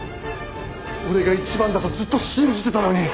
俺が一番だとずっと信じてたのに！